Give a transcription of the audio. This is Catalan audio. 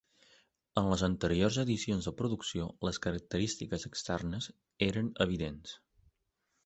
En les anteriors edicions de producció, les característiques externes eren evidents.